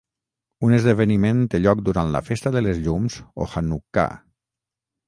Un esdeveniment té lloc durant la festa de les llums o Hanukkà.